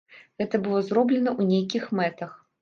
Гэта было зроблена ў нейкіх мэтах.